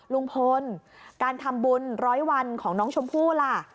ลุงพลการทำบุญร้อยวันของน้องชมพู่ล่ะ